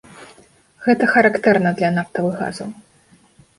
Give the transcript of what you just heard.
Гэта характэрна для нафтавых газаў.